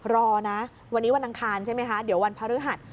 รอนะวันนี้วันอังคารใช่ไหมคะเดี๋ยววันพฤหัส